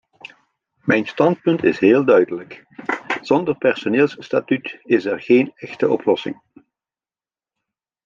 Mijn standpunt is heel duidelijk: zonder personeelsstatuut is er geen echte oplossing.